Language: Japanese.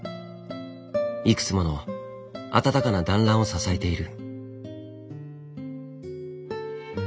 いくつもの温かな団らんを支えている。